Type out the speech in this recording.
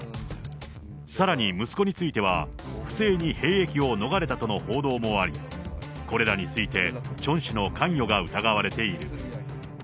さらに、息子については、不正に兵役を逃れたとの報道もあり、これらについて、チョン氏の関与が疑われている。